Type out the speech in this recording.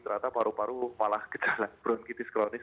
ternyata paru paru malah gejala bronkitis kronis